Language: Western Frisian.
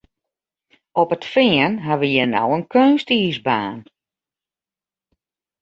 Op it Fean ha we hjir no in keunstiisbaan.